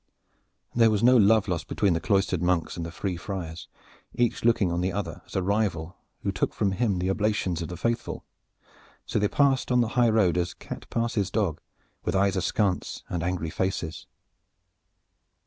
There was no love lost between the cloistered monks and the free friars, each looking on the other as a rival who took from him the oblations of the faithful; so they passed on the high road as cat passes dog, with eyes askance and angry faces.